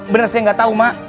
benar saya nggak tahu mak